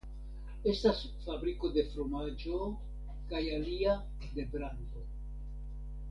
Estas fabriko de fromaĝo kaj alia de brando.